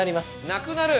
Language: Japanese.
なくなる？